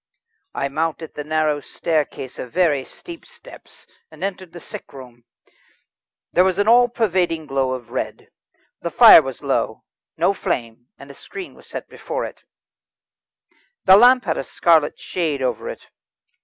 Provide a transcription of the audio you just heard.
I mounted the narrow staircase of very steep steps and entered the sick room. There was an all pervading glow of red. The fire was low no flame, and a screen was before it. The lamp had a scarlet shade over it.